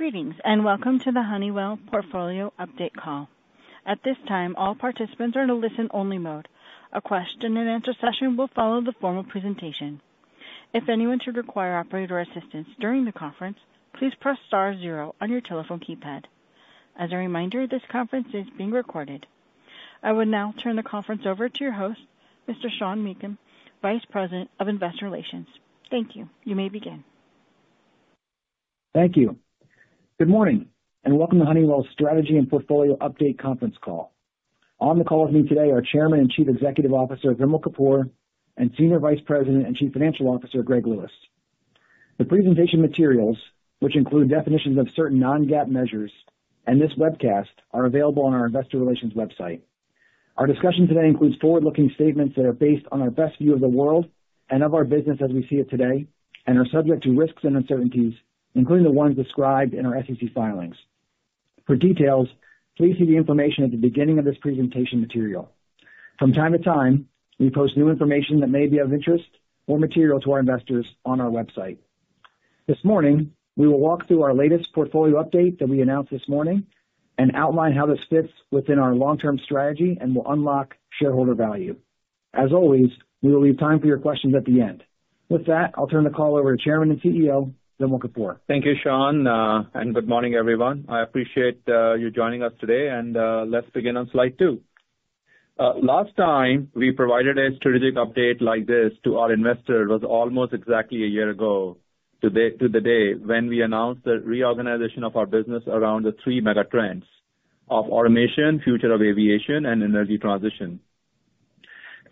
Greetings, and welcome to the Honeywell Portfolio Update call. At this time, all participants are in a listen-only mode. A question and answer session will follow the formal presentation. If anyone should require operator assistance during the conference, please press star zero on your telephone keypad. As a reminder, this conference is being recorded. I would now turn the conference over to your host, Mr. Sean Meakim, Vice President of Investor Relations. Thank you. You may begin. Thank you. Good morning, and welcome to Honeywell's Strategy and Portfolio Update conference call. On the call with me today are Chairman and Chief Executive Officer, Vimal Kapur, and Senior Vice President and Chief Financial Officer, Greg Lewis. The presentation materials, which include definitions of certain non-GAAP measures and this webcast, are available on our investor relations website. Our discussion today includes forward-looking statements that are based on our best view of the world and of our business as we see it today, and are subject to risks and uncertainties, including the ones described in our SEC filings. For details, please see the information at the beginning of this presentation material. From time to time, we post new information that may be of interest or material to our investors on our website. This morning, we will walk through our latest portfolio update that we announced this morning and outline how this fits within our long-term strategy and will unlock shareholder value. As always, we will leave time for your questions at the end. With that, I'll turn the call over to Chairman and CEO, Vimal Kapur. Thank you, Sean, and good morning, everyone. I appreciate you joining us today, and let's begin on slide two. Last time we provided a strategic update like this to our investors was almost exactly a year ago, to the day, when we announced the reorganization of our business around the three megatrends of Automation, Future of Aviation, and Energy Transition.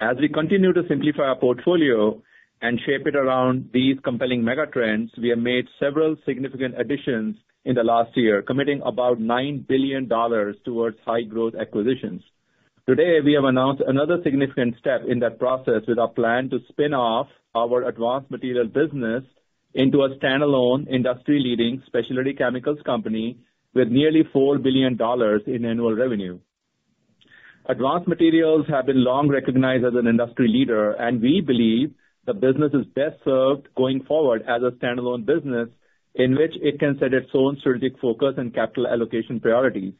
As we continue to simplify our portfolio and shape it around these compelling megatrends, we have made several significant additions in the last year, committing about $9 billion towards high growth acquisitions. Today, we have announced another significant step in that process with our plan to spin off our Advanced Materials business into a standalone, industry-leading specialty chemicals company with nearly $4 billion in annual revenue. Advanced Materials have been long recognized as an industry leader, and we believe the business is best served going forward as a standalone business, in which it can set its own strategic focus and capital allocation priorities.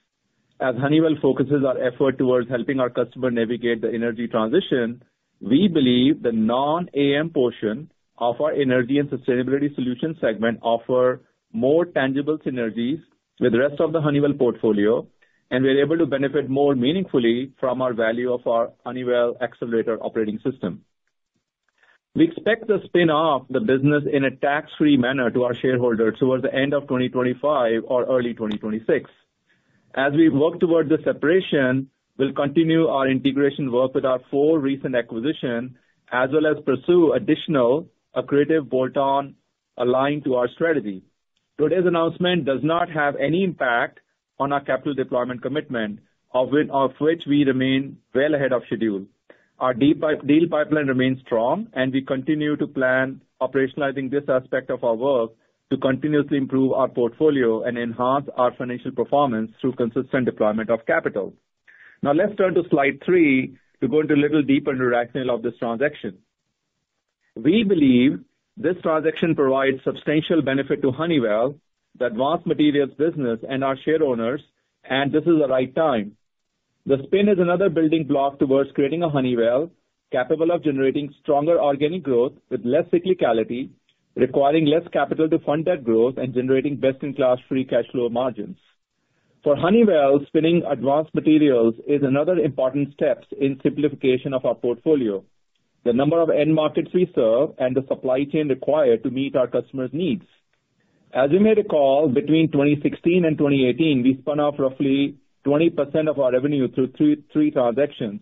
As Honeywell focuses our effort towards helping our customer navigate the Energy Transition, we believe the non-AM portion of our Energy and Sustainability Solutions segment offer more tangible synergies with the rest of the Honeywell portfolio, and we're able to benefit more meaningfully from our value of our Honeywell Accelerator operating system. We expect to spin off the business in a tax-free manner to our shareholders towards the end of 2025 or early 2026. As we work towards the separation, we'll continue our integration work with our four recent acquisition, as well as pursue additional accretive bolt-on aligned to our strategy. Today's announcement does not have any impact on our capital deployment commitment, of which we remain well ahead of schedule. Our deep deal pipeline remains strong, and we continue to plan operationalizing this aspect of our work to continuously improve our portfolio and enhance our financial performance through consistent deployment of capital. Now, let's turn to slide three to go a little deeper into the rationale of this transaction. We believe this transaction provides substantial benefit to Honeywell, the Advanced Materials business and our shareowners, and this is the right time. The spin is another building block towards creating a Honeywell capable of generating stronger organic growth with less cyclicality, requiring less capital to fund that growth, and generating best-in-class free cash flow margins. For Honeywell, spinning Advanced Materials is another important step in simplification of our portfolio, the number of end markets we serve, and the supply chain required to meet our customers' needs. As you may recall, between 2016 and 2018, we spun off roughly 20% of our revenue through three transactions,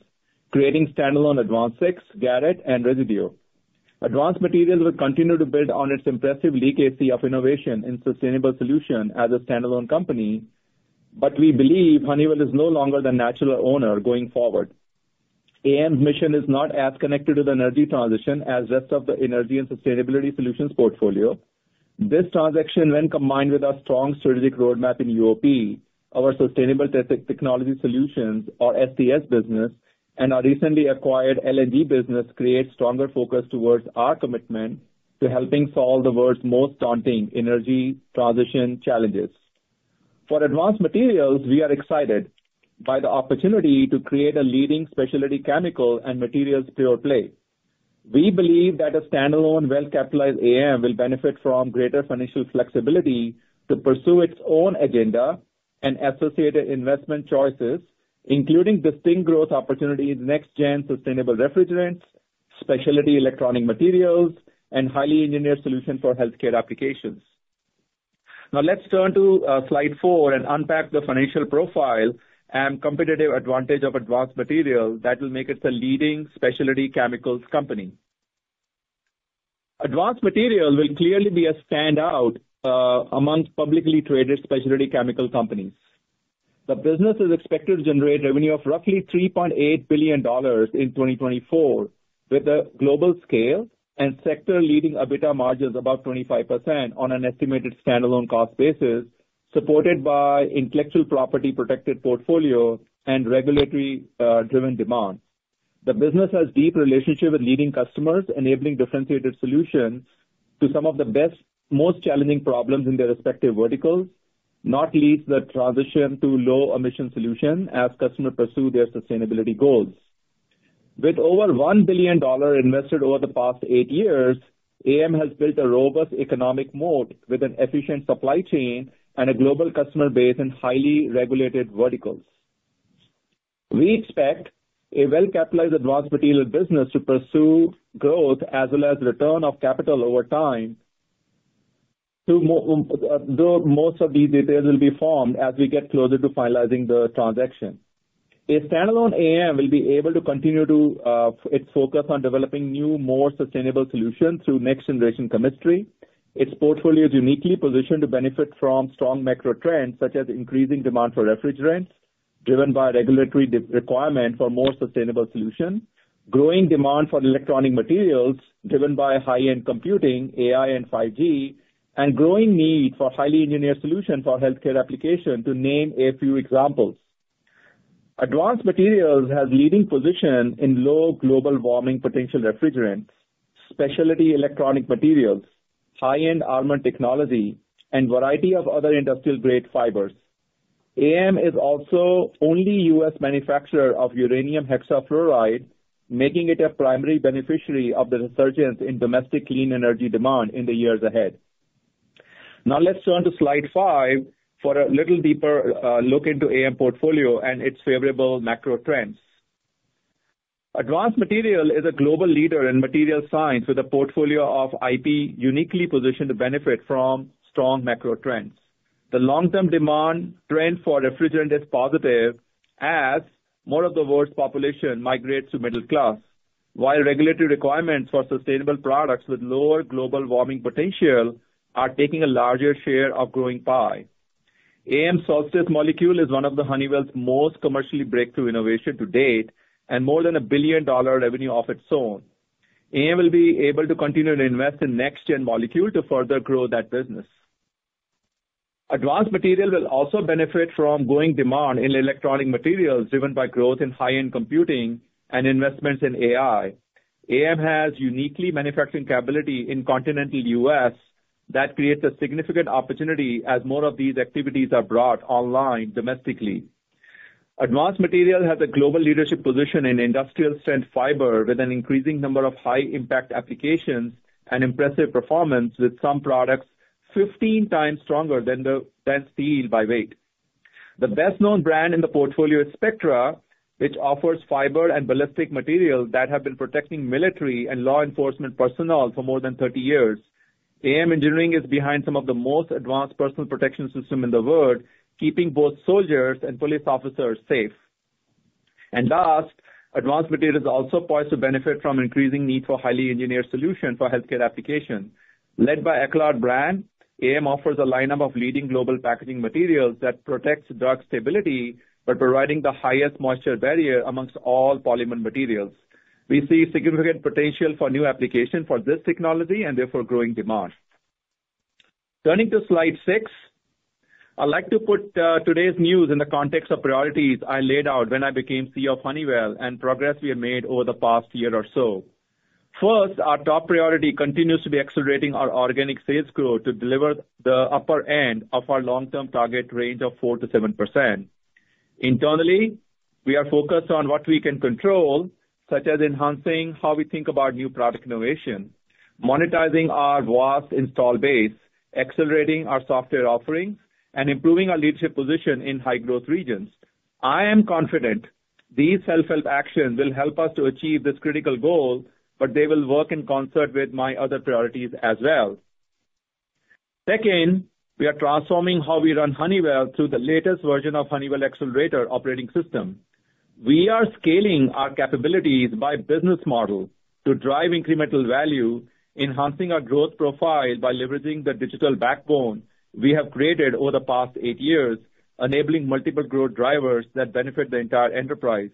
creating standalone AdvanSix, Garrett, and Resideo. Advanced Materials will continue to build on its impressive legacy of innovation and sustainable solution as a standalone company, but we believe Honeywell is no longer the natural owner going forward. AM's mission is not as connected to the Energy Transition as rest of the Energy and Sustainability Solutions portfolio. This transaction, when combined with our strong strategic roadmap in UOP, our sustainable tech, technology solutions, our STS business, and our recently acquired LNG business, creates stronger focus towards our commitment to helping solve the world's most daunting Energy Transition challenges. For Advanced Materials, we are excited by the opportunity to create a leading specialty chemical and materials pure play. We believe that a standalone, well-capitalized AM will benefit from greater financial flexibility to pursue its own agenda and associated investment choices, including distinct growth opportunities, next-gen sustainable refrigerants, specialty electronic materials, and highly engineered solutions for healthcare applications. Now, let's turn to slide four and unpack the financial profile and competitive advantage of Advanced Materials that will make it a leading specialty chemicals company. Advanced Materials will clearly be a standout amongst publicly traded specialty chemical companies. The business is expected to generate revenue of roughly $3.8 billion in 2024, with a global scale and sector-leading EBITDA margins above 25% on an estimated standalone cost basis, supported by intellectual property protected portfolio and regulatory driven demand. The business has deep relationship with leading customers, enabling differentiated solutions to some of the best, most challenging problems in their respective verticals, not least the transition to low emission solution as customers pursue their sustainability goals. With over $1 billion invested over the past 8 years, AM has built a robust economic moat with an efficient supply chain and a global customer base in highly regulated verticals. We expect a well-capitalized advanced material business to pursue growth as well as return of capital over time, though most of these details will be formed as we get closer to finalizing the transaction. A standalone AM will be able to continue to its focus on developing new, more sustainable solutions through next-generation chemistry. Its portfolio is uniquely positioned to benefit from strong macro trends, such as increasing demand for refrigerants, driven by regulatory requirement for more sustainable solutions, growing demand for electronic materials, driven by high-end computing, AI, and 5G, and growing need for highly engineered solutions for healthcare application, to name a few examples. Advanced Materials has leading position in low global warming potential refrigerants, specialty electronic materials, high-end armor technology, and variety of other industrial-grade fibers. AM is also only U.S. manufacturer of uranium hexafluoride, making it a primary beneficiary of the resurgence in domestic clean energy demand in the years ahead. Now, let's turn to Slide five for a little deeper look into AM portfolio and its favorable macro trends. Advanced Materials is a global leader in materials science with a portfolio of IP uniquely positioned to benefit from strong macro trends. The long-term demand trend for refrigerant is positive as more of the world's population migrates to middle class, while regulatory requirements for sustainable products with lower global warming potential are taking a larger share of growing pie. AM's Solstice molecule is one of Honeywell's most commercially breakthrough innovations to date, and more than $1 billion revenue of its own. AM will be able to continue to invest in next-gen molecules to further grow that business. Advanced Materials will also benefit from growing demand in electronic materials, driven by growth in high-end computing and investments in AI. AM has unique manufacturing capability in Continental U.S. that creates a significant opportunity as more of these activities are brought online domestically. Advanced Materials has a global leadership position in industrial-strength fiber, with an increasing number of high-impact applications and impressive performance, with some products fifteen times stronger than steel by weight. The best-known brand in the portfolio is Spectra, which offers fiber and ballistic materials that have been protecting military and law enforcement personnel for more than thirty years. AM engineering is behind some of the most advanced personal protection system in the world, keeping both soldiers and police officers safe. And last, Advanced Materials also poised to benefit from increasing need for highly engineered solutions for healthcare applications. Led by Aclar brand, AM offers a lineup of leading global packaging materials that protects drug stability by providing the highest moisture barrier among all polymer materials. We see significant potential for new application for this technology and therefore growing demand. Turning to Slide six, I'd like to put today's news in the context of priorities I laid out when I became CEO of Honeywell and progress we have made over the past year or so. First, our top priority continues to be accelerating our organic sales growth to deliver the upper end of our long-term target range of 4%-7%. Internally, we are focused on what we can control, such as enhancing how we think about new product innovation, monetizing our vast install base, accelerating our software offerings, and improving our leadership position in high-growth regions. I am confident these self-help actions will help us to achieve this critical goal, but they will work in concert with my other priorities as well. Second, we are transforming how we run Honeywell through the latest version of Honeywell Accelerator operating system. We are scaling our capabilities by business model to drive incremental value, enhancing our growth profile by leveraging the digital backbone we have created over the past eight years, enabling multiple growth drivers that benefit the entire enterprise.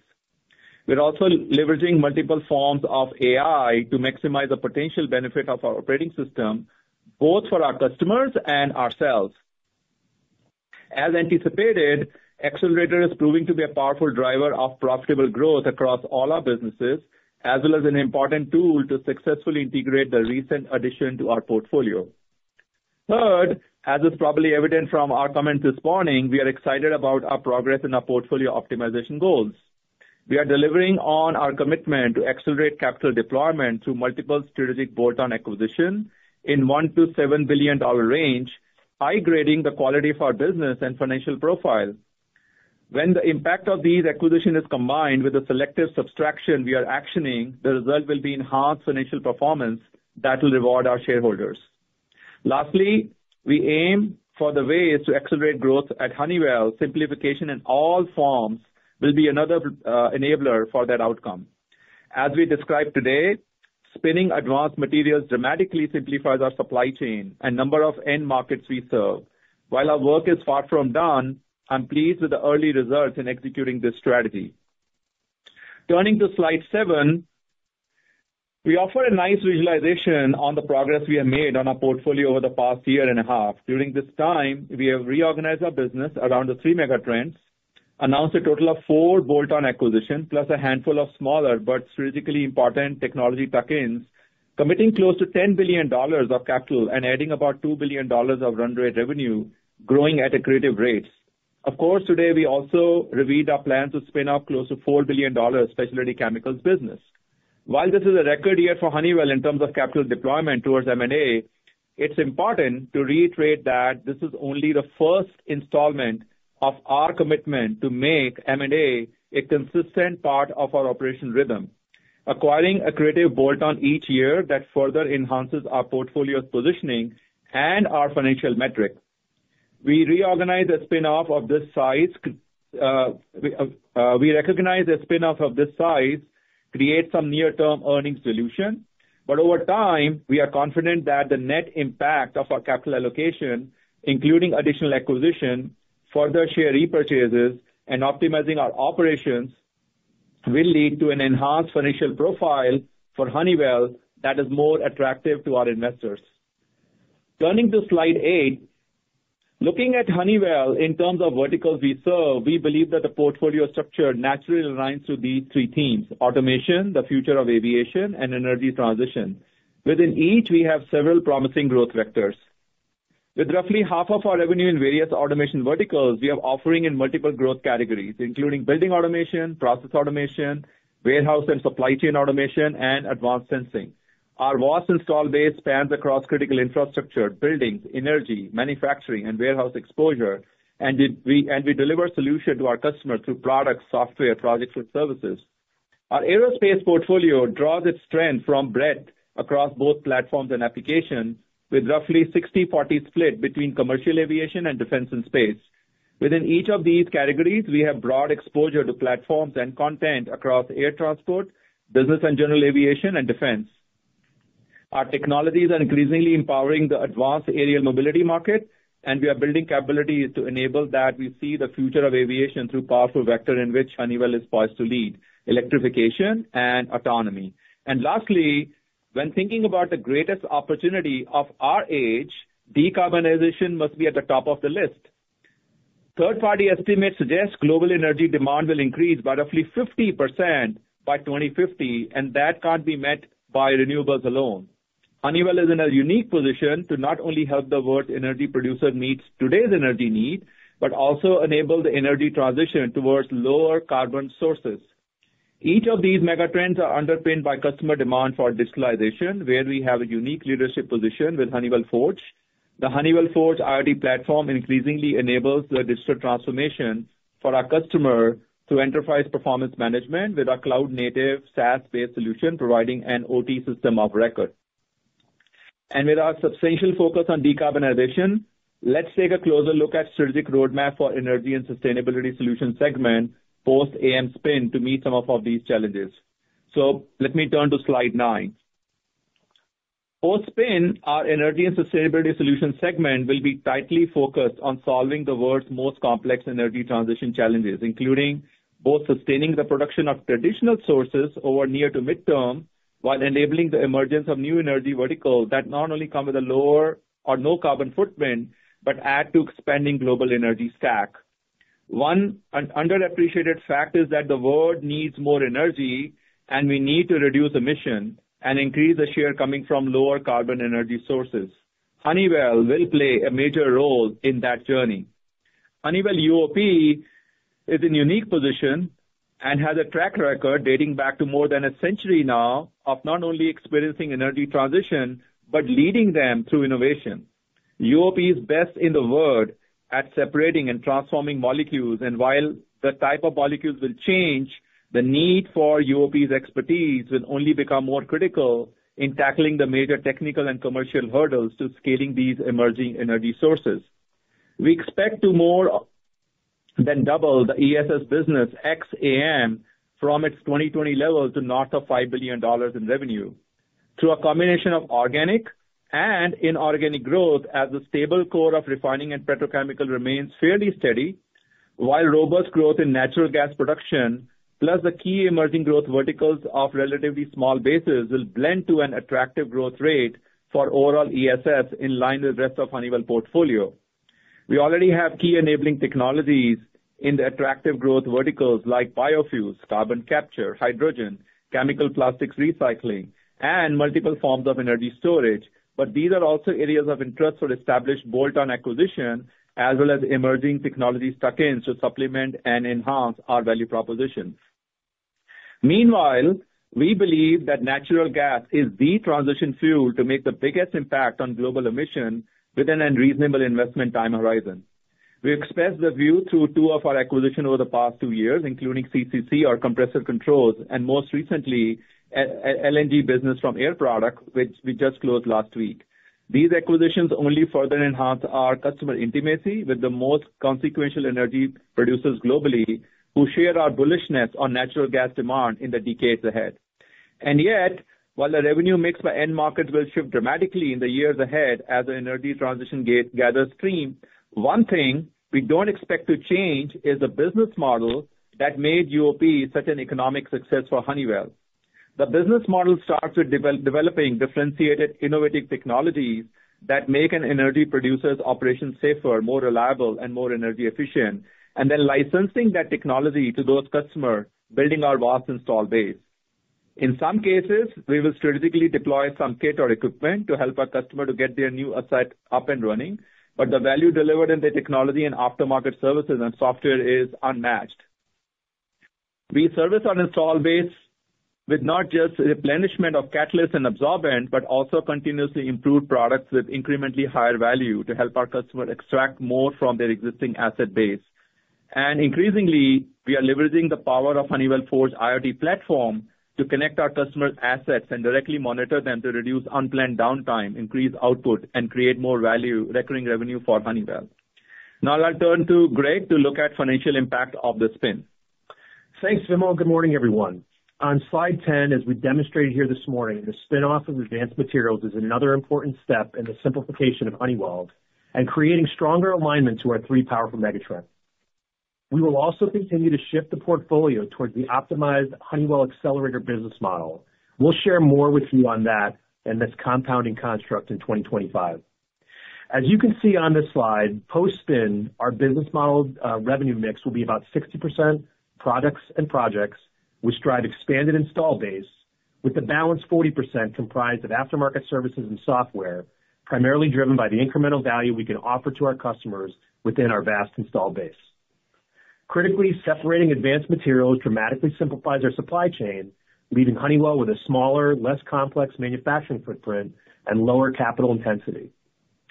We're also leveraging multiple forms of AI to maximize the potential benefit of our operating system, both for our customers and ourselves. As anticipated, Accelerator is proving to be a powerful driver of profitable growth across all our businesses, as well as an important tool to successfully integrate the recent addition to our portfolio. Third, as is probably evident from our comments this morning, we are excited about our progress in our portfolio optimization goals. We are delivering on our commitment to accelerate capital deployment through multiple strategic bolt-on acquisitions in the $1 billion-$7 billion range, high-grading the quality of our business and financial profile. When the impact of these acquisitions is combined with the selective subtraction we are actioning, the result will be enhanced financial performance that will reward our shareholders. Lastly, we aim for the ways to accelerate growth at Honeywell. Simplification in all forms will be another enabler for that outcome. As we described today, spinning Advanced Materials dramatically simplifies our supply chain and number of end markets we serve. While our work is far from done, I'm pleased with the early results in executing this strategy. Turning to Slide seven. We offer a nice visualization on the progress we have made on our portfolio over the past year and a half. During this time, we have reorganized our business around the three megatrends, announced a total of four bolt-on acquisitions, plus a handful of smaller but strategically important technology tuck-ins, committing close to $10 billion of capital and adding about $2 billion of run rate revenue, growing at accretive rates. Of course, today we also revealed our plan to spin off close to $4 billion specialty chemicals business. While this is a record year for Honeywell in terms of capital deployment towards M&A, it's important to reiterate that this is only the first installment of our commitment to make M&A a consistent part of our operation rhythm, acquiring accretive bolt-on each year that further enhances our portfolio's positioning and our financial metrics. We recognize a spin-off of this size creates some near-term earnings dilution. But over time, we are confident that the net impact of our capital allocation, including additional acquisition, further share repurchases, and optimizing our operations, will lead to an enhanced financial profile for Honeywell that is more attractive to our investors. Turning to slide eight. Looking at Honeywell in terms of verticals we serve, we believe that the portfolio structure naturally aligns to these three teams: Automation, the Future of Aviation, and Energy Transition. Within each, we have several promising growth vectors. With roughly half of our revenue in various Automation verticals, we have offering in multiple growth categories, including building Automation, process Automation, warehouse and supply chain Automation, and advanced sensing. Our vast install base spans across critical infrastructure, buildings, energy, manufacturing, and warehouse exposure, and we deliver solution to our customers through products, software, projects, and services. Our Aerospace portfolio draws its strength from breadth across both platforms and applications, with roughly 60/40 split between commercial aviation and defense and space. Within each of these categories, we have broad exposure to platforms and content across air transport, business and general aviation, and defense. Our technologies are increasingly empowering the advanced aerial mobility market, and we are building capabilities to enable that. We see the Future of Aviation through powerful vector in which Honeywell is poised to lead: electrification and autonomy. And lastly, when thinking about the greatest opportunity of our age, decarbonization must be at the top of the list. Third-party estimates suggest global energy demand will increase by roughly 50% by 2050, and that can't be met by renewables alone. Honeywell is in a unique position to not only help the world's energy producers meet today's energy needs, but also enable the Energy Transition towards lower carbon sources. Each of these megatrends is underpinned by customer demand for digitalization, where we have a unique leadership position with Honeywell Forge. The Honeywell Forge IoT platform increasingly enables the digital transformation for our customers through enterprise performance management with our cloud-native, SaaS-based solution, providing an OT system of record. And with our substantial focus on decarbonization, let's take a closer look at the strategic roadmap for the Energy and Sustainability Solutions segment, post AM spin, to meet some of these challenges. Let me turn to slide nine. Post-spin, our Energy and Sustainability Solutions segment will be tightly focused on solving the world's most complex Energy Transition challenges, including both sustaining the production of traditional sources over near to mid-term, while enabling the emergence of new energy verticals that not only come with a lower or no carbon footprint, but add to expanding global energy stack. One underappreciated fact is that the world needs more energy, and we need to reduce emissions and increase the share coming from lower carbon energy sources. Honeywell will play a major role in that journey. Honeywell UOP is in a unique position and has a track record dating back to more than a century now of not only experiencing Energy Transition, but leading them through innovation. UOP is best in the world at separating and transforming molecules, and while the type of molecules will change, the need for UOP's expertise will only become more critical in tackling the major technical and commercial hurdles to scaling these emerging energy sources. We expect to more than double the ESS business ex AM from its 2020 levels to north of $5 billion in revenue through a combination of organic and inorganic growth, as the stable core of refining and petrochemical remains fairly steady, while robust growth in natural gas production, plus the key emerging growth verticals of relatively small bases, will blend to an attractive growth rate for overall ESS in line with the rest of Honeywell portfolio. We already have key enabling technologies in the attractive growth verticals like biofuels, carbon capture, hydrogen, chemical plastics recycling, and multiple forms of energy storage, but these are also areas of interest for established bolt-on acquisition, as well as emerging technology tuck-ins to supplement and enhance our value propositions. Meanwhile, we believe that natural gas is the transition fuel to make the biggest impact on global emissions within a reasonable investment time horizon. We expressed the view through two of our acquisitions over the past two years, including CCC, our Compressor Controls, and most recently, an LNG business from Air Products, which we just closed last week. These acquisitions only further enhance our customer intimacy with the most consequential energy producers globally, who share our bullishness on natural gas demand in the decades ahead. And yet, while the revenue mix by end market will shift dramatically in the years ahead as the Energy Transition gains steam, one thing we don't expect to change is the business model that made UOP such an economic success for Honeywell. The business model starts with developing differentiated, innovative technologies that make an energy producer's operations safer, more reliable, and more energy efficient, and then licensing that technology to those customers, building our vast installed base. In some cases, we will strategically deploy some kit or equipment to help our customer get their new asset up and running, but the value delivered in the technology and aftermarket services and software is unmatched. We service our installed base with not just replenishment of catalysts and adsorbents, but also continuously improved products with incrementally higher value to help our customer extract more from their existing asset base. Increasingly, we are leveraging the power of Honeywell Forge IoT platform to connect our customers' assets and directly monitor them to reduce unplanned downtime, increase output, and create more value, recurring revenue for Honeywell. Now I'll turn to Greg to look at financial impact of the spin. Thanks, Vimal. Good morning, everyone. On slide 10, as we demonstrated here this morning, the spin-off of Advanced Materials is another important step in the simplification of Honeywell and creating stronger alignment to our three powerful megatrends. We will also continue to shift the portfolio towards the optimized Honeywell Accelerator business model. We'll share more with you on that and this compounding construct in 2025. As you can see on this slide, post-spin, our business model, revenue mix will be about 60% products and projects, which drive expanded install base, with the balanced 40% comprised of aftermarket services and software, primarily driven by the incremental value we can offer to our customers within our vast install base. Critically, separating Advanced Materials dramatically simplifies our supply chain, leaving Honeywell with a smaller, less complex manufacturing footprint and lower capital intensity.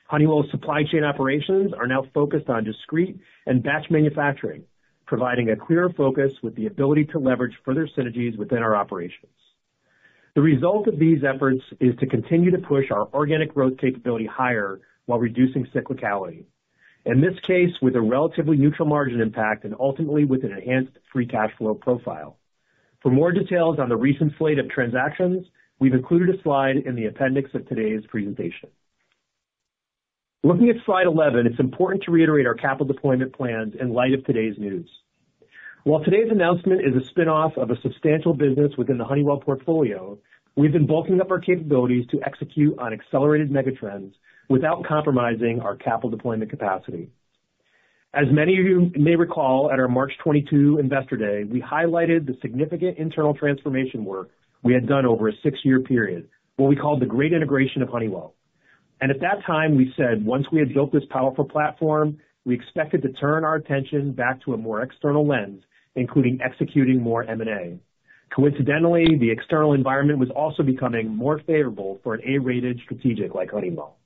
Honeywell's supply chain operations are now focused on discrete and batch manufacturing, providing a clearer focus with the ability to leverage further synergies within our operations. The result of these efforts is to continue to push our organic growth capability higher while reducing cyclicality. In this case, with a relatively neutral margin impact and ultimately with an enhanced free cash flow profile. For more details on the recent slate of transactions, we've included a slide in the appendix of today's presentation. Looking at slide 11, it's important to reiterate our capital deployment plans in light of today's news. While today's announcement is a spin-off of a substantial business within the Honeywell portfolio, we've been bulking up our capabilities to execute on accelerated megatrends without compromising our capital deployment capacity. As many of you may recall, at our March 2022 Investor Day, we highlighted the significant internal transformation work we had done over a six-year period, what we called the Great Integration of Honeywell, and at that time, we said, once we had built this powerful platform, we expected to turn our attention back to a more external lens, including executing more M&A. Coincidentally, the external environment was also becoming more favorable for an A-rated strategic like Honeywell.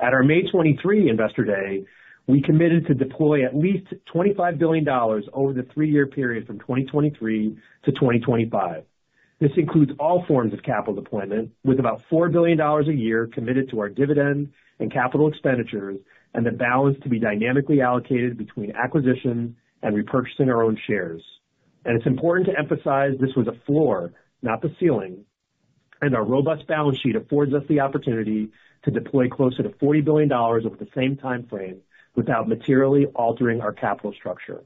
At our May 2023 Investor Day, we committed to deploy at least $25 billion over the three-year period from 2023 to 2025. This includes all forms of capital deployment, with about $4 billion a year committed to our dividend and capital expenditures, and the balance to be dynamically allocated between acquisitions and repurchasing our own shares. And it's important to emphasize this was a floor, not the ceiling, and our robust balance sheet affords us the opportunity to deploy closer to $40 billion over the same time frame without materially altering our capital structure.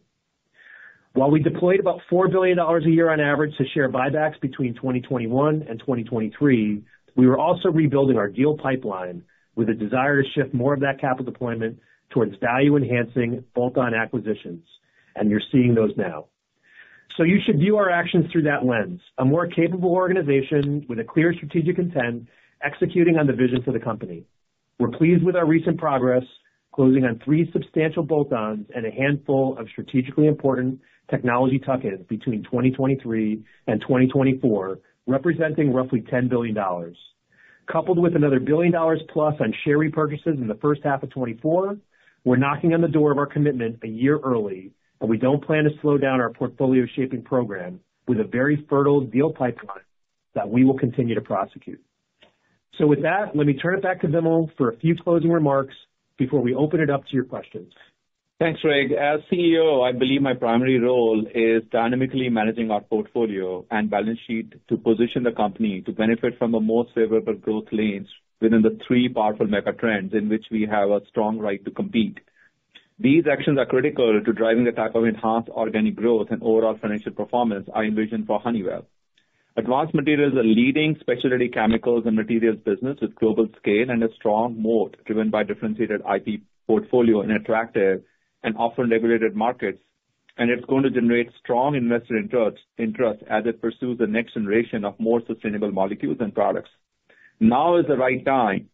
While we deployed about $4 billion a year on average to share buybacks between 2021 and 2023, we were also rebuilding our deal pipeline with a desire to shift more of that capital deployment towards value-enhancing, bolt-on acquisitions, and you're seeing those now. So you should view our actions through that lens, a more capable organization with a clear strategic intent, executing on the vision for the company. We're pleased with our recent progress, closing on three substantial bolt-ons and a handful of strategically important technology tuck-ins between 2023 and 2024, representing roughly $10 billion. Coupled with another $1 billion plus on share repurchases in the first half of 2024, we're knocking on the door of our commitment a year early, and we don't plan to slow down our portfolio shaping program with a very fertile deal pipeline that we will continue to prosecute. So with that, let me turn it back to Vimal for a few closing remarks before we open it up to your questions. Thanks, Greg. As CEO, I believe my primary role is dynamically managing our portfolio and balance sheet to position the company to benefit from more favorable growth lanes within the three powerful megatrends in which we have a strong right to compete. These actions are critical to driving the type of enhanced organic growth and overall financial performance I envision for Honeywell. Advanced Materials is a leading specialty chemicals and materials business with global scale and a strong moat, driven by differentiated IP portfolio and attractive and often regulated markets. And it's going to generate strong investor interest as it pursues the next generation of more sustainable molecules and products. Now is the right time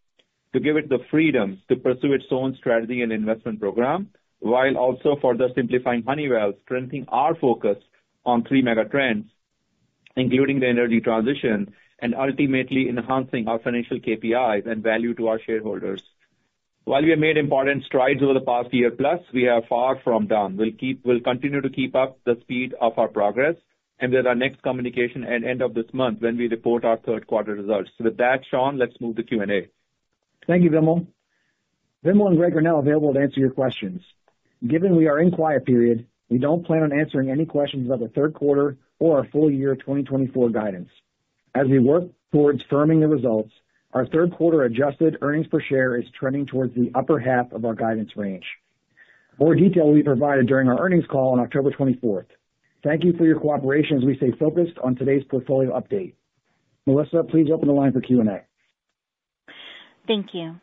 to give it the freedom to pursue its own strategy and investment program, while also further simplifying Honeywell, strengthening our focus on three megatrends, including the Energy Transition and ultimately enhancing our financial KPIs and value to our shareholders. While we have made important strides over the past year, plus, we are far from done. We'll continue to keep up the speed of our progress and with our next communication at end of this month when we report our third quarter results. So with that, Sean, let's move to Q&A. Thank you, Vimal. Vimal and Greg are now available to answer your questions. Given we are in quiet period, we don't plan on answering any questions about the third quarter or our full year twenty twenty-four guidance. As we work towards firming the results, our third quarter adjusted earnings per share is trending towards the upper half of our guidance range. ...More detail will be provided during our earnings call on October twenty-fourth. Thank you for your cooperation as we stay focused on today's portfolio update. Melissa, please open the line for Q&A. Thank you.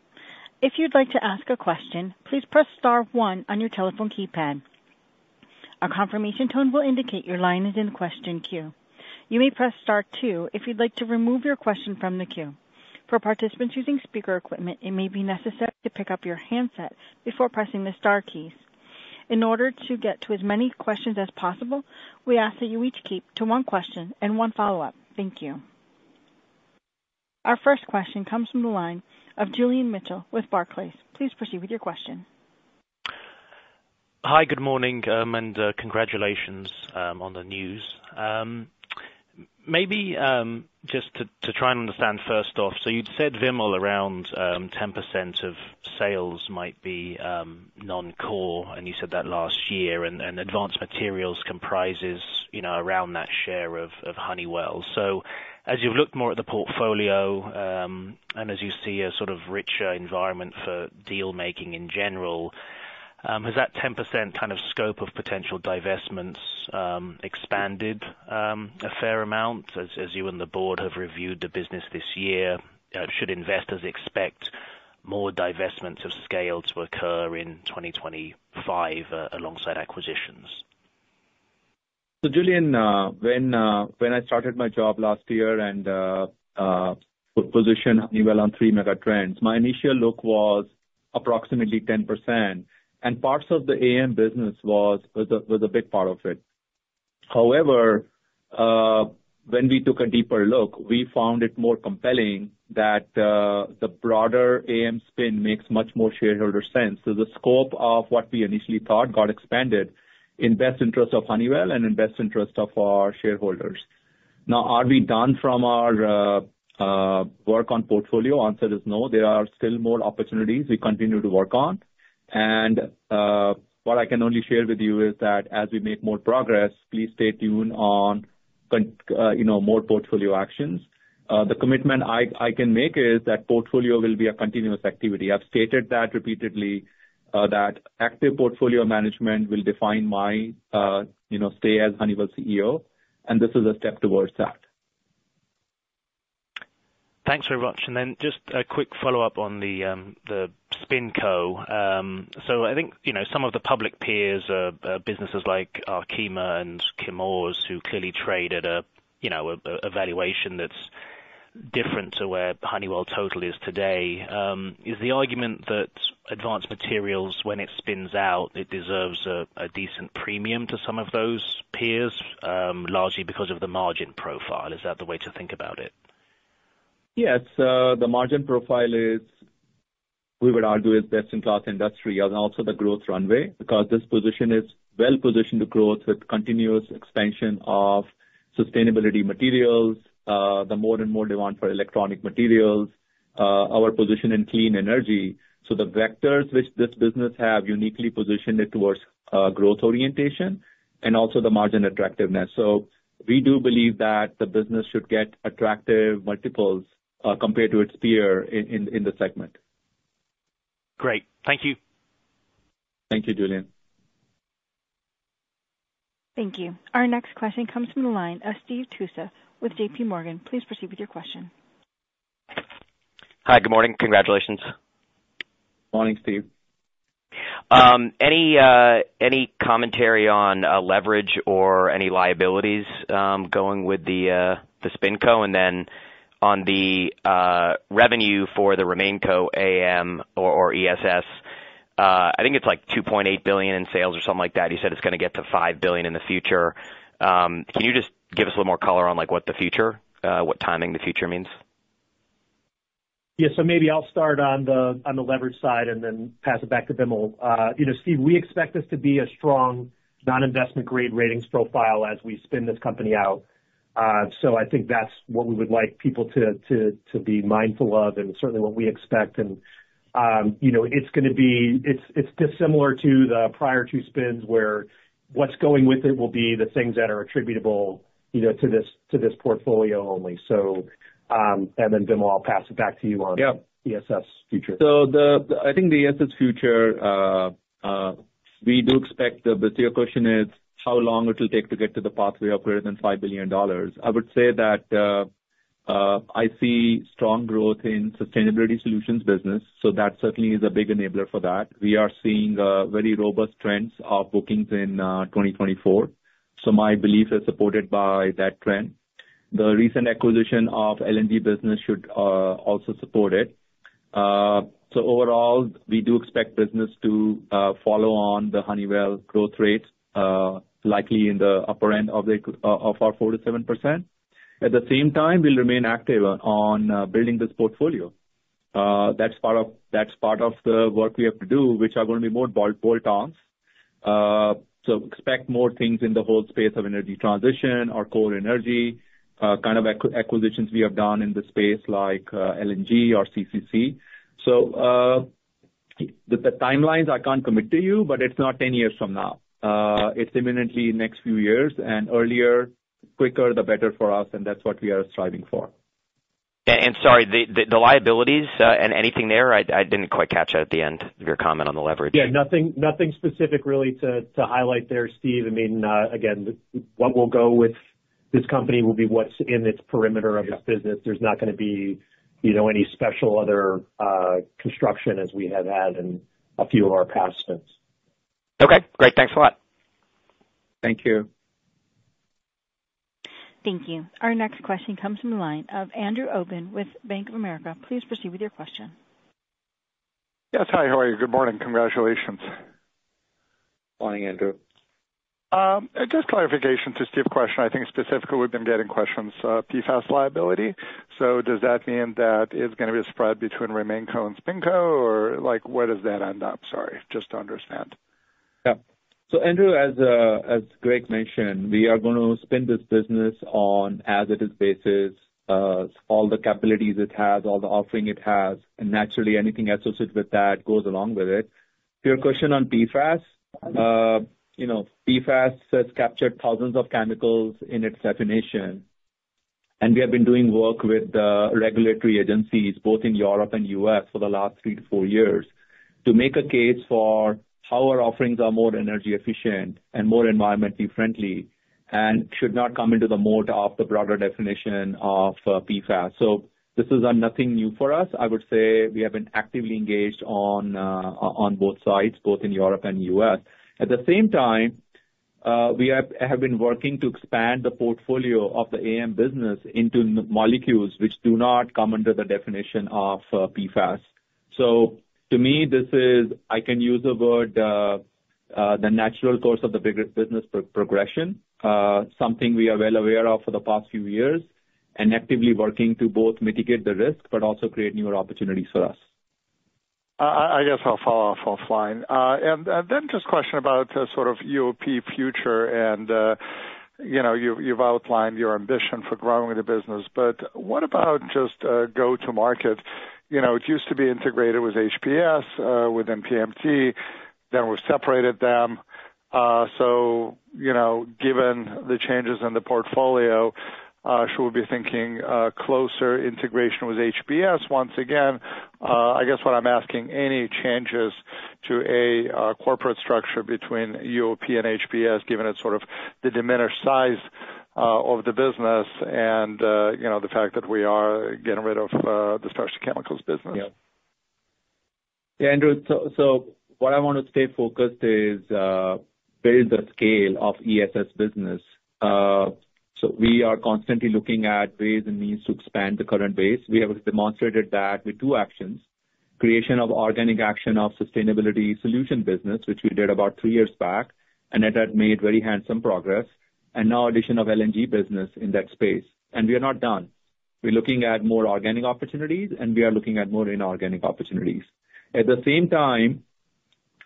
If you'd like to ask a question, please press star one on your telephone keypad. A confirmation tone will indicate your line is in question queue. You may press star two if you'd like to remove your question from the queue. For participants using speaker equipment, it may be necessary to pick up your handset before pressing the star keys. In order to get to as many questions as possible, we ask that you each keep to one question and one follow-up. Thank you. Our first question comes from the line of Julian Mitchell with Barclays. Please proceed with your question. Hi, good morning, and congratulations on the news. Maybe just to try and understand first off, so you'd said, Vimal, around 10% of sales might be non-core, and you said that last year, and Advanced Materials comprises, you know, around that share of Honeywell. So as you've looked more at the portfolio, and as you see a sort of richer environment for deal making in general, has that 10% kind of scope of potential divestments expanded a fair amount as you and the board have reviewed the business this year? Should investors expect more divestments of scale to occur in twenty twenty-five alongside acquisitions? So Julian, when I started my job last year and positioned Honeywell on three megatrends, my initial look was approximately 10%, and parts of the AM business was a big part of it. However, when we took a deeper look, we found it more compelling that the broader AM spin makes much more shareholder sense. So the scope of what we initially thought got expanded in best interest of Honeywell and in best interest of our shareholders. Now, are we done from our work on portfolio? Answer is no. There are still more opportunities we continue to work on. And what I can only share with you is that as we make more progress, please stay tuned on, you know, more portfolio actions. The commitment I can make is that portfolio will be a continuous activity. I've stated that repeatedly, that active portfolio management will define my, you know, stay as Honeywell CEO, and this is a step towards that. Thanks very much. And then just a quick follow-up on the SpinCo. So I think, you know, some of the public peers, businesses like Arkema and Chemours, who clearly trade at a, you know, a valuation that's different to where Honeywell total is today, is the argument that Advanced Materials, when it spins out, it deserves a decent premium to some of those peers, largely because of the margin profile. Is that the way to think about it? Yes. The margin profile is, we would argue, is best in class industry and also the growth runway, because this position is well positioned to grow with continuous expansion of sustainability materials, the more and more demand for electronic materials, our position in clean energy. So the vectors which this business have uniquely positioned it towards, growth orientation and also the margin attractiveness. So we do believe that the business should get attractive multiples, compared to its peer in the segment. Great. Thank you. Thank you, Julian. Thank you. Our next question comes from the line of Steve Tusa with J.P. Morgan. Please proceed with your question. Hi, good morning. Congratulations. Morning, Steve. Any commentary on leverage or any liabilities going with the SpinCo? And then on the revenue for the RemainCo AM or ESS, I think it's like $2.8 billion in sales or something like that. You said it's gonna get to $5 billion in the future. Can you just give us a little more color on, like, what the future, what timing the future means? Yeah. So maybe I'll start on the leverage side and then pass it back to Vimal. You know, Steve, we expect this to be a strong non-investment grade ratings profile as we spin this company out. So I think that's what we would like people to be mindful of and certainly what we expect. And you know, it's gonna be. It's dissimilar to the prior two spins, where what's going with it will be the things that are attributable, you know, to this portfolio only. So and then, Vimal, I'll pass it back to you on- Yeah. ESS future. So, I think the ESS future, we do expect. But your question is, how long it will take to get to the pathway of greater than $5 billion? I would say that, I see strong growth in sustainability solutions business, so that certainly is a big enabler for that. We are seeing very robust trends of bookings in 2024, so my belief is supported by that trend. The recent acquisition of LNG business should also support it. So overall, we do expect business to follow on the Honeywell growth rates, likely in the upper end of our 4%-7%. At the same time, we'll remain active on building this portfolio. That's part of, that's part of the work we have to do, which are going to be more bold tasks. So expect more things in the whole space of Energy Transition or core energy, kind of acquisitions we have done in the space, like LNG or CCC. So the timelines I can't commit to you, but it's not 10 years from now. It's imminently next few years, and earlier, quicker, the better for us, and that's what we are striving for. ... sorry, the liabilities and anything there? I didn't quite catch that at the end of your comment on the leverage. Yeah, nothing, nothing specific really to highlight there, Steve. I mean, again, what will go with this company will be what's in its perimeter of its business. There's not gonna be, you know, any special other construction as we have had in a few of our past spins. Okay, great. Thanks a lot. Thank you. Thank you. Our next question comes from the line of Andrew Obin with Bank of America. Please proceed with your question. Yes, hi, how are you? Good morning. Congratulations. Morning, Andrew. Just clarification to Steve's question. I think specifically, we've been getting questions, PFAS liability. So does that mean that it's gonna be a spread between Remainco and Spinco, or like, where does that end up? Sorry, just to understand. Yeah. So Andrew, as, as Greg mentioned, we are gonna spin this business on as it is basis, all the capabilities it has, all the offering it has, and naturally, anything associated with that goes along with it. To your question on PFAS, you know, PFAS has captured thousands of chemicals in its definition, and we have been doing work with the regulatory agencies, both in Europe and U.S., for the last three to four years, to make a case for how our offerings are more energy efficient and more environmentally friendly, and should not come into the mode of the broader definition of, PFAS. So this is, nothing new for us. I would say we have been actively engaged on, on both sides, both in Europe and U.S. At the same time, we have been working to expand the portfolio of the AM business into molecules which do not come under the definition of PFAS. So to me, this is, I can use the word, the natural course of the bigger business progression, something we are well aware of for the past few years, and actively working to both mitigate the risk, but also create newer opportunities for us. I guess I'll follow up offline. And then just a question about sort of UOP future and, you know, you've outlined your ambition for growing the business, but what about just go-to-market? You know, it used to be integrated with HPS, with PMT, then we separated them. So, you know, given the changes in the portfolio, should we be thinking closer integration with HPS once again? I guess what I'm asking, any changes to a corporate structure between UOP and HPS, given it's sort of the diminished size of the business and, you know, the fact that we are getting rid of the specialty chemicals business? Yeah. Yeah, Andrew, so what I want to stay focused is build the scale of ESS business. So we are constantly looking at ways and means to expand the current base. We have demonstrated that with two actions: creation of organic action of sustainability solution business, which we did about three years back, and that has made very handsome progress, and now addition of LNG business in that space. And we are not done. We're looking at more organic opportunities, and we are looking at more inorganic opportunities. At the same time,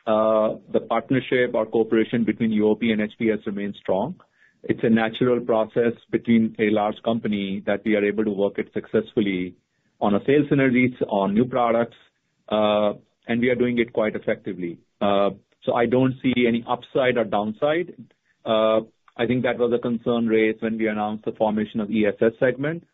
the partnership or cooperation between UOP and HPS remains strong. It's a natural process between a large company that we are able to work it successfully on a sales synergies, on new products, and we are doing it quite effectively. So I don't see any upside or downside. I think that was a concern raised when we announced the formation of ESS segment.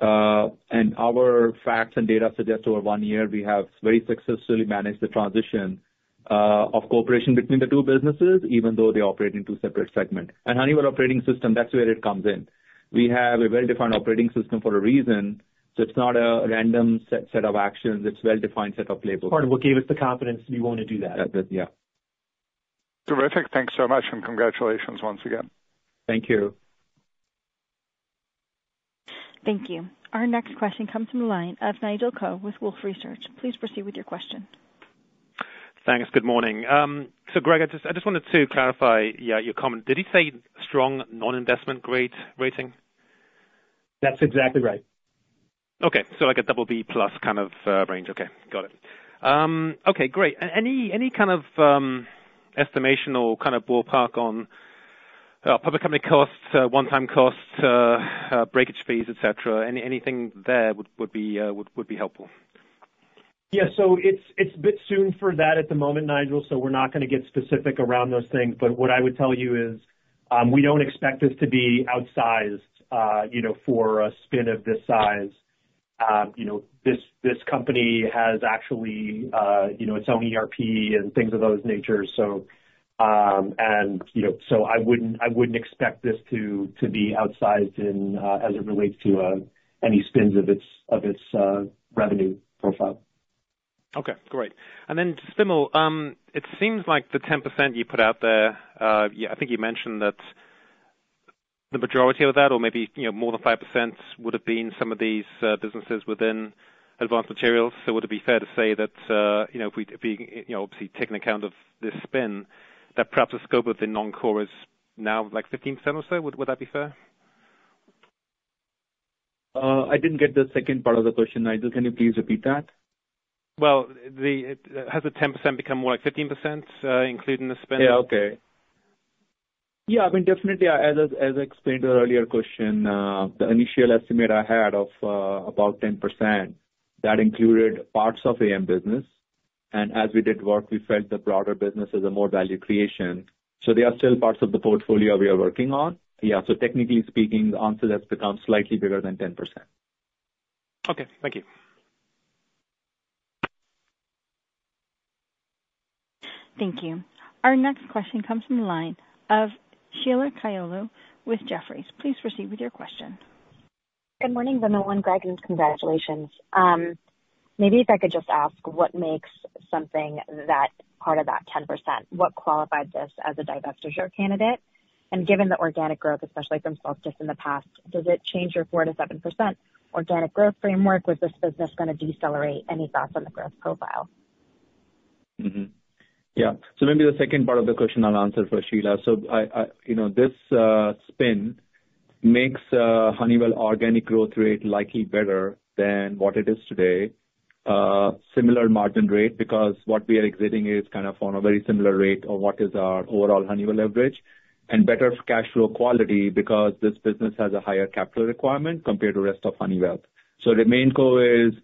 Our facts and data suggest over one year, we have very successfully managed the transition of cooperation between the two businesses, even though they operate in two separate segments. And Honeywell operating system, that's where it comes in. We have a well-defined operating system for a reason, so it's not a random set of actions. It's a well-defined set of labels. Part of what gave us the confidence we want to do that. Yeah. Terrific. Thanks so much, and congratulations once again. Thank you. Thank you. Our next question comes from the line of Nigel Coe with Wolfe Research. Please proceed with your question. Thanks. Good morning. So Greg, I just wanted to clarify, yeah, your comment. Did you say strong non-investment grade rating? That's exactly right. Okay, so like a double B plus kind of range. Okay, got it. Okay, great. Any kind of estimation or kind of ballpark on public company costs, one-time costs, breakage fees, et cetera? Anything there would be, would be helpful. Yeah, so it's a bit soon for that at the moment, Nigel, so we're not gonna get specific around those things. But what I would tell you is, we don't expect this to be outsized, you know, for a spin of this size. You know, this company has actually, you know, its own ERP and things of those nature, so, you know, so I wouldn't expect this to be outsized in, as it relates to, any spins of its revenue profile. Okay, great. And then Vimal, it seems like the 10% you put out there, yeah, I think you mentioned that the majority of that, or maybe, you know, more than 5% would have been some of these businesses within Advanced Materials. So would it be fair to say that, you know, if we, you know, obviously taking account of this spin, that perhaps the scope of the non-core is now like 15% or so? Would that be fair? I didn't get the second part of the question, Nigel. Can you please repeat that? Has the 10% become more like 15%, including the spin? Yeah, okay. Yeah, I mean, definitely, as I explained to the earlier question, the initial estimate I had of about 10%, that included parts of AM business, and as we did work, we felt the broader business is a more value creation, so there are still parts of the portfolio we are working on. Yeah, so technically speaking, the answer has become slightly bigger than 10%. Okay. Thank you. Thank you. Our next question comes from the line of Sheila Kahyaoglu with Jefferies. Please proceed with your question. Good morning, everyone, Greg, and congratulations. Maybe if I could just ask, what makes something that part of that 10%? What qualifies this as a divestiture candidate? And given the organic growth, especially from Solstice in the past, does it change your 4%-7% organic growth framework? Was this business going to decelerate? Any thoughts on the growth profile? Mm-hmm. Yeah. So maybe the second part of the question I'll answer for Sheila. So I, you know, this spin makes Honeywell organic growth rate likely better than what it is today. Similar margin rate, because what we are exiting is kind of on a very similar rate of what is our overall Honeywell average, and better cash flow quality because this business has a higher capital requirement compared to rest of Honeywell. So the main goal is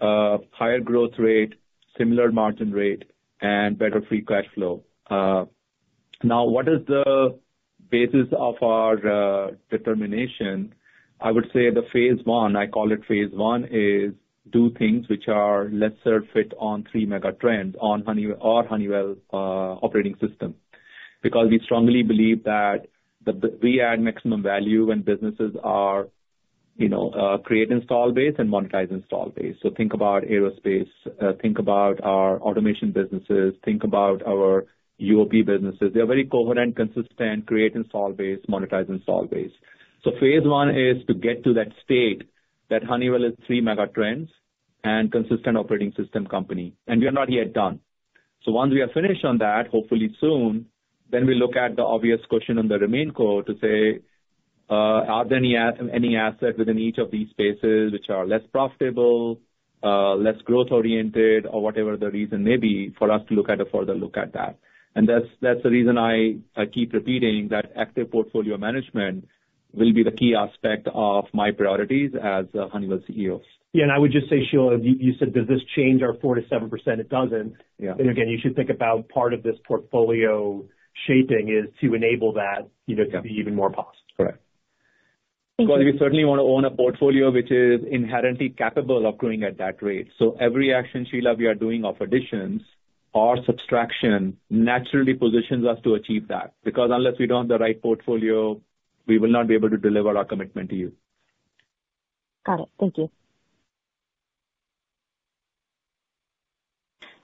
higher growth rate, similar margin rate and better free cash flow. Now, what is the basis of our determination? I would say the phase one, I call it phase one, is do things which are lesser fit on three megatrends on Honeywell's operating system. Because we strongly believe that we add maximum value when businesses are, you know, create install base and monetize install base, so think about Aerospace, think about our Automation businesses, think about our UOP businesses. They are very coherent, consistent, create install base, monetize install base, so phase one is to get to that state that Honeywell is three megatrends and consistent operating system company, and we are not yet done, so once we are finished on that, hopefully soon, then we look at the obvious question on the remaining core to say, are there any asset within each of these spaces which are less profitable, less growth oriented or whatever the reason may be for us to look at a further look at that. That's the reason I keep repeating that active portfolio management will be the key aspect of my priorities as Honeywell's CEO. Yeah, and I would just say, Sheila, you, you said, does this change our 4%-7%? It doesn't. Yeah. Again, you should think about part of this portfolio shaping is to enable that, you know, to be even more possible. Correct. Thank you. Because we certainly want to own a portfolio which is inherently capable of growing at that rate. So every action, Sheila, we are doing of additions or subtraction, naturally positions us to achieve that, because unless we don't have the right portfolio, we will not be able to deliver our commitment to you. Got it. Thank you.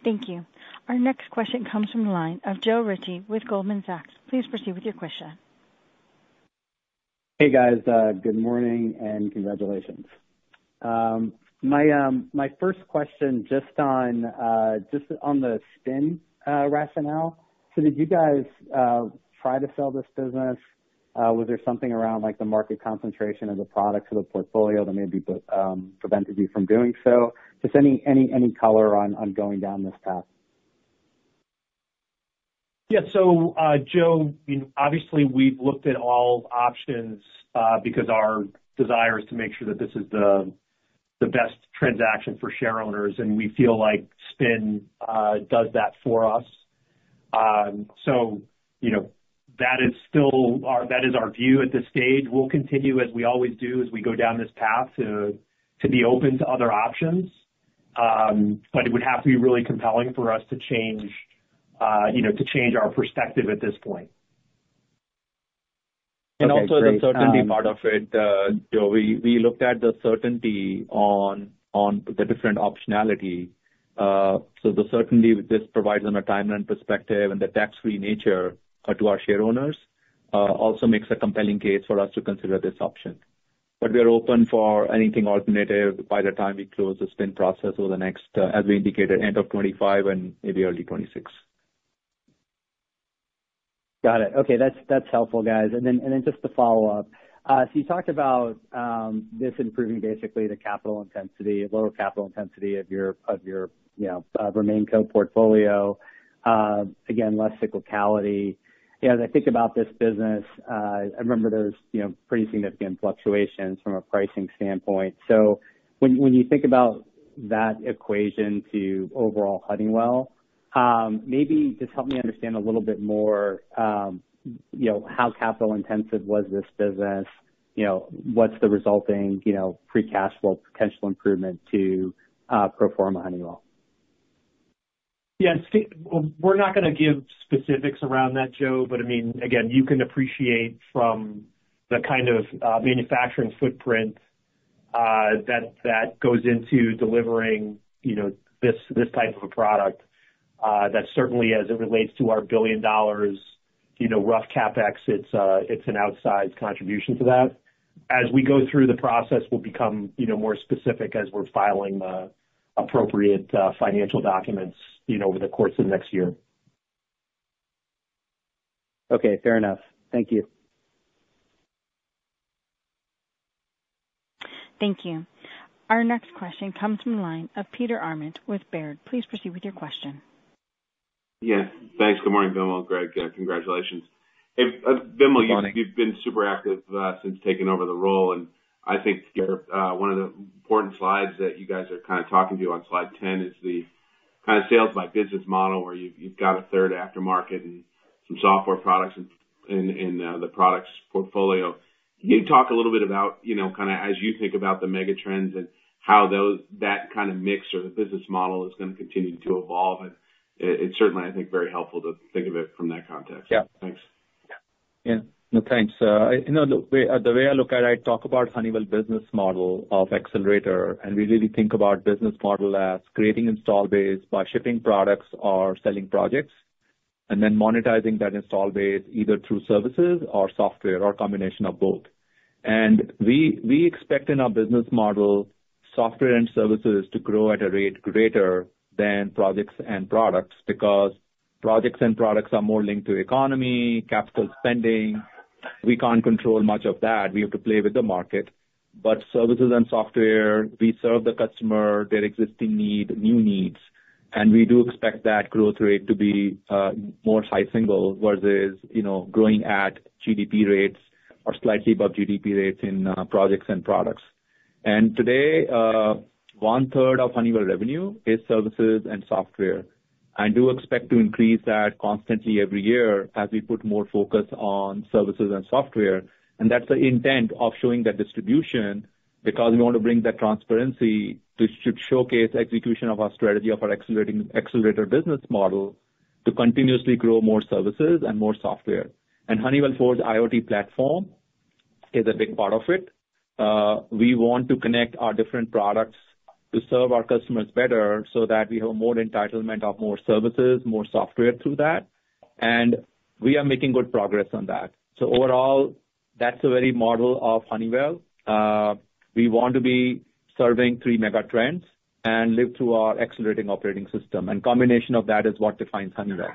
Thank you. Our next question comes from the line of Joe Ritchie with Goldman Sachs. Please proceed with your question. Hey, guys, good morning and congratulations. My first question, just on the spin rationale. So did you guys try to sell this business? Was there something around, like, the market concentration of the products or the portfolio that maybe prevented you from doing so? Just any color on going down this path. Yeah. So, Joe, obviously, we've looked at all options, because our desire is to make sure that this is the best transaction for shareowners, and we feel like spin does that for us. So, you know, that is still our view. That is our view at this stage. We'll continue, as we always do, as we go down this path, to be open to other options. But it would have to be really compelling for us to change, you know, to change our perspective at this point. Okay, great. Also the certainty part of it, Joe, we looked at the certainty on the different optionality, so the certainty this provides on a timeline perspective and the tax-free nature to our shareowners also makes a compelling case for us to consider this option, but we are open for anything alternative by the time we close the spin process over the next, as we indicated, end of 2025 and maybe early 2026. Got it. Okay, that's, that's helpful, guys. And then, and then just to follow up, so you talked about this improving, basically the capital intensity, lower capital intensity of your, of your, you know, remaining portfolio. Again, less cyclicality. You know, as I think about this business, I remember there's, you know, pretty significant fluctuations from a pricing standpoint. So when, when you think about that equation to overall Honeywell, maybe just help me understand a little bit more, you know, how capital intensive was this business? You know, what's the resulting, you know, free cash flow, potential improvement to pro forma Honeywell? Yeah, we're not going to give specifics around that, Joe, but I mean, again, you can appreciate from the kind of manufacturing footprint that that goes into delivering, you know, this this type of a product that certainly as it relates to our $1 billion, you know, rough CapEx. It's an outsized contribution to that. As we go through the process, we'll become, you know, more specific as we're filing the appropriate financial documents, you know, over the course of next year. Okay. Fair enough. Thank you. Thank you. Our next question comes from the line of Peter Arment with Baird. Please proceed with your question.... Yeah, thanks. Good morning, Vimal, Greg, congratulations. Hey, Vimal, you've been super active since taking over the role, and I think one of the important slides that you guys are kind of talking to on slide 10 is the kind of sales by business model, where you've got a third aftermarket and some software products in the products portfolio. Can you talk a little bit about, you know, kind of as you think about the megatrends and how those, that kind of mix or the business model is gonna continue to evolve? And it certainly, I think, very helpful to think of it from that context. Yeah. Thanks. Yeah. No, thanks. You know, the way I look at it, I talk about Honeywell Accelerator, and we really think about business model as creating install base by shipping products or selling projects, and then monetizing that install base, either through services or software or a combination of both. And we expect in our business model, software and services to grow at a rate greater than projects and products, because projects and products are more linked to economy, capital spending. We can't control much of that. We have to play with the market. But services and software, we serve the customer, their existing need, new needs, and we do expect that growth rate to be more high single, whereas, you know, growing at GDP rates or slightly above GDP rates in projects and products. Today, one third of Honeywell revenue is services and software. I do expect to increase that constantly every year as we put more focus on services and software. That's the intent of showing the distribution, because we want to bring that transparency to showcase execution of our strategy of our accelerating Accelerator business model, to continuously grow more services and more software. Honeywell Forge's IoT platform is a big part of it. We want to connect our different products to serve our customers better so that we have more entitlement of more services, more software through that, and we are making good progress on that. Overall, that's the very model of Honeywell. We want to be serving three megatrends and live through our accelerating operating system, and combination of that is what defines Honeywell.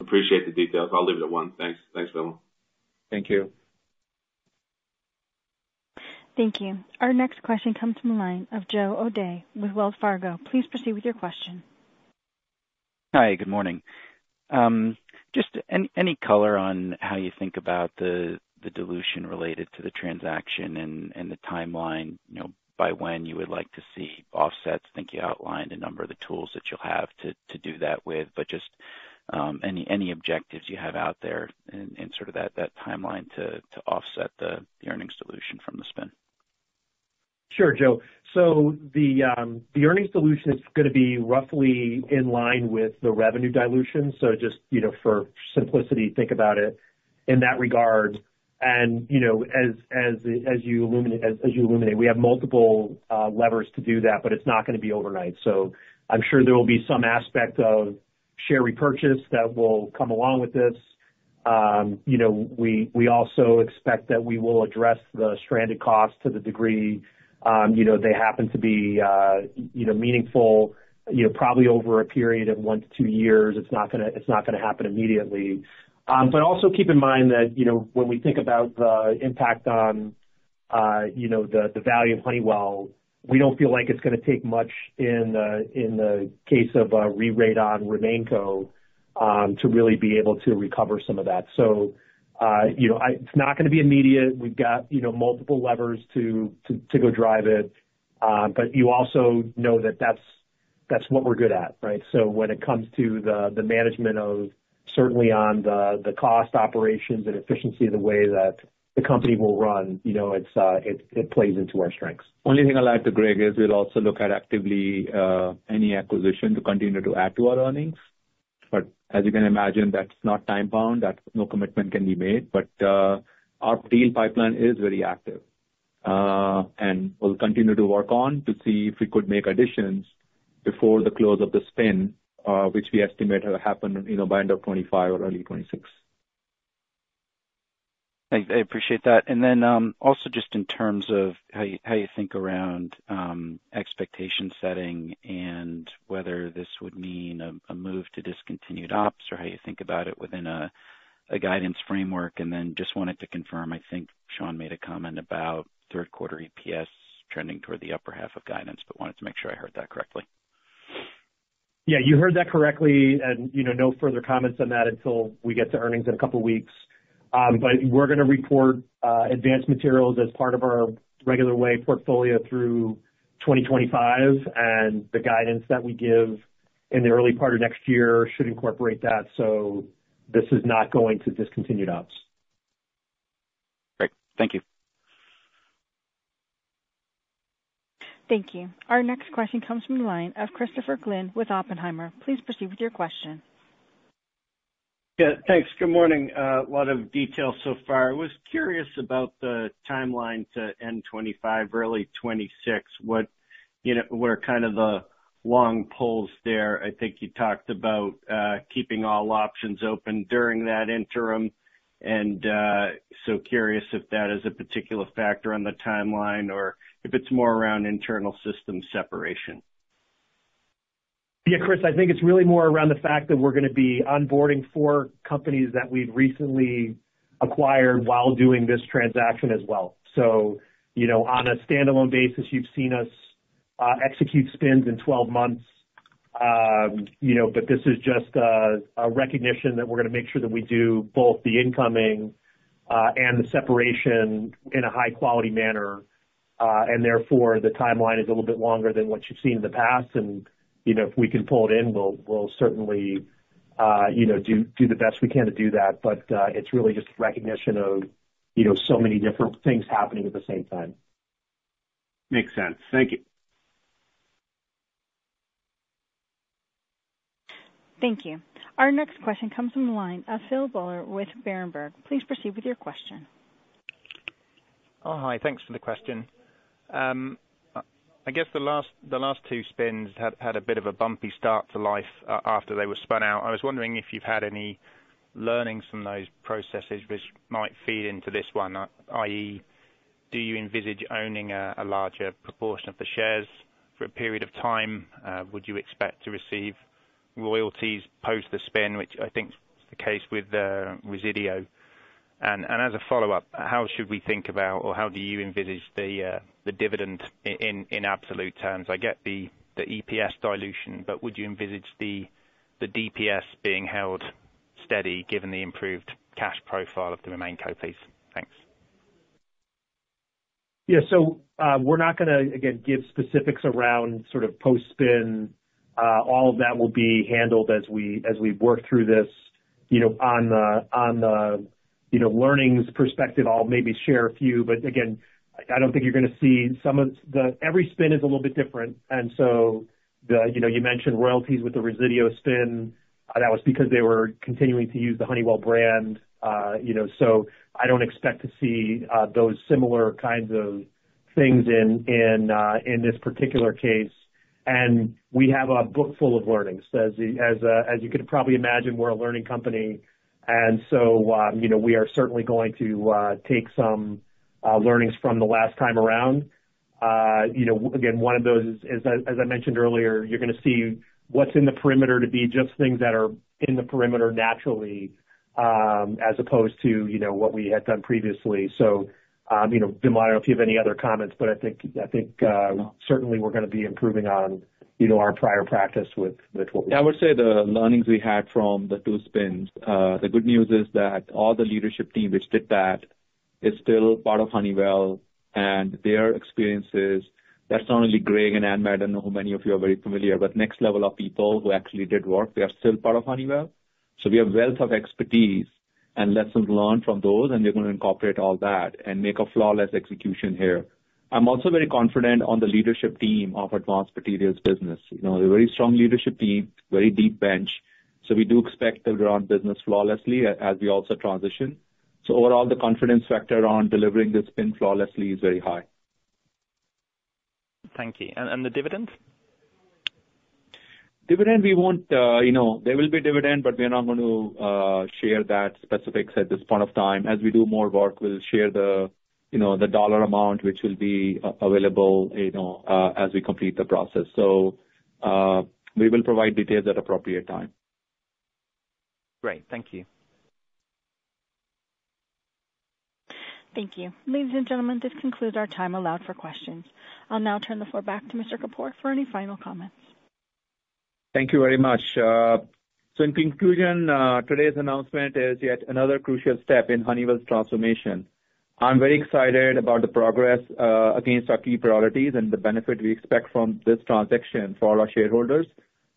Appreciate the details. I'll leave it at one. Thanks. Thanks, Vimal. Thank you. Thank you. Our next question comes from the line of Joe O'Dea with Wells Fargo. Please proceed with your question. Hi, good morning. Just any color on how you think about the dilution related to the transaction and the timeline, you know, by when you would like to see offsets? I think you outlined a number of the tools that you'll have to do that with, but just any objectives you have out there in sort of that timeline to offset the earnings dilution from the spin? Sure, Joe. So the earnings dilution is gonna be roughly in line with the revenue dilution. So just, you know, for simplicity, think about it in that regard. And, you know, as you alluded, we have multiple levers to do that, but it's not gonna be overnight. So I'm sure there will be some aspect of share repurchase that will come along with this. You know, we also expect that we will address the stranded costs to the degree, you know, they happen to be, you know, meaningful, you know, probably over a period of one to two years. It's not gonna happen immediately. But also keep in mind that, you know, when we think about the impact on, you know, the value of Honeywell, we don't feel like it's gonna take much in the case of re-rate on RemainCo to really be able to recover some of that. So, you know, I... It's not gonna be immediate. We've got, you know, multiple levers to go drive it, but you also know that that's what we're good at, right? So when it comes to the management of certainly on the cost operations and efficiency of the way that the company will run, you know, it's it plays into our strengths. Only thing I'd like to, Greg, is we'll also look at actively any acquisition to continue to add to our earnings. But as you can imagine, that's not time bound, that no commitment can be made. But our deal pipeline is very active, and we'll continue to work on to see if we could make additions before the close of the spin, which we estimate will happen, you know, by end of 2025 or early 2026. I appreciate that. And then, also just in terms of how you think around expectation setting and whether this would mean a move to discontinued ops, or how you think about it within a guidance framework. And then just wanted to confirm, I think Sean made a comment about third quarter EPS trending toward the upper half of guidance, but wanted to make sure I heard that correctly. Yeah, you heard that correctly, and, you know, no further comments on that until we get to earnings in a couple of weeks, but we're gonna report Advanced Materials as part of our regular way portfolio through 2025, and the guidance that we give in the early part of next year should incorporate that, so this is not going to discontinued ops. Great. Thank you. Thank you. Our next question comes from the line of Christopher Glynn with Oppenheimer. Please proceed with your question. Yeah, thanks. Good morning. A lot of details so far. I was curious about the timeline to end 2025, early 2026. What, you know, what are kind of the long poles there? I think you talked about, keeping all options open during that interim, and, so curious if that is a particular factor on the timeline or if it's more around internal system separation. Yeah, Chris, I think it's really more around the fact that we're gonna be onboarding four companies that we've recently acquired while doing this transaction as well. So, you know, on a standalone basis, you've seen us execute spins in 12 months. You know, but this is just a recognition that we're gonna make sure that we do both the incoming and the separation in a high quality manner, and therefore, the timeline is a little bit longer than what you've seen in the past. And, you know, if we can pull it in, we'll certainly, you know, do the best we can to do that. But it's really just recognition of, you know, so many different things happening at the same time. Makes sense. Thank you. Thank you. Our next question comes from the line of Phil Buller with Berenberg. Please proceed with your question. Oh, hi. Thanks for the question. I guess the last two spins had a bit of a bumpy start to life after they were spun out. I was wondering if you've had any learnings from those processes which might feed into this one, i.e., do you envisage owning a larger proportion of the shares for a period of time? Would you expect to receive royalties post the spin, which I think is the case with Resideo? And as a follow-up, how should we think about or how do you envisage the dividend in absolute terms? I get the EPS dilution, but would you envisage the DPS being held steady given the improved cash profile of the remaining co-piece? Thanks. Yeah. So, we're not gonna, again, give specifics around sort of post-spin. All of that will be handled as we work through this. You know, on the learnings perspective, I'll maybe share a few, but again, I don't think you're gonna see some of the... Every spin is a little bit different, and so you know, you mentioned royalties with the Resideo spin. That was because they were continuing to use the Honeywell brand. You know, so I don't expect to see those similar kinds of things in this particular case. And we have a book full of learnings. As you can probably imagine, we're a learning company, and so, you know, we are certainly going to take some learnings from the last time around. You know, again, one of those is, as I mentioned earlier, you're gonna see what's in the perimeter to be just things that are in the perimeter naturally, as opposed to, you know, what we had done previously. You know, Dhiman, I don't know if you have any other comments, but I think certainly we're gonna be improving on, you know, our prior practice with what- I would say the learnings we had from the two spins, the good news is that all the leadership team which did that is still part of Honeywell and their experiences. That's not only Greg and Ahmed, I don't know how many of you are very familiar, but next level of people who actually did work, they are still part of Honeywell. So we have wealth of expertise and lessons learned from those, and we're going to incorporate all that and make a flawless execution here. I'm also very confident on the leadership team of Advanced Materials business. You know, a very strong leadership team, very deep bench, so we do expect to run business flawlessly as we also transition. So overall, the confidence factor on delivering this spin flawlessly is very high. Thank you. And the dividend? Dividend, we won't. You know, there will be dividend, but we are not going to share that specifics at this point of time. As we do more work, we'll share the, you know, the dollar amount, which will be available, you know, as we complete the process. So, we will provide details at appropriate time. Great. Thank you. Thank you. Ladies and gentlemen, this concludes our time allowed for questions. I'll now turn the floor back to Mr. Kapur for any final comments. Thank you very much. So in conclusion, today's announcement is yet another crucial step in Honeywell's transformation. I'm very excited about the progress against our key priorities and the benefit we expect from this transaction for our shareholders,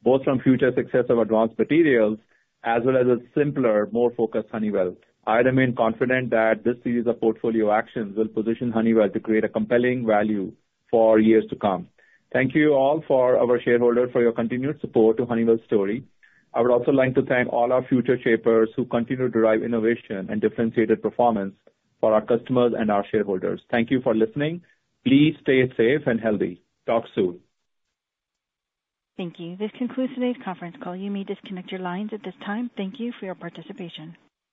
both from future success of Advanced Materials, as well as a simpler, more focused Honeywell. I remain confident that this series of portfolio actions will position Honeywell to create a compelling value for years to come. Thank you all for our shareholders for your continued support to Honeywell's story. I would also like to thank all our Futureshapers who continue to drive innovation and differentiated performance for our customers and our shareholders. Thank you for listening. Please stay safe and healthy. Talk soon. Thank you. This concludes today's conference call. You may disconnect your lines at this time. Thank you for your participation.